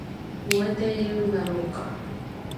燃えているんだろうか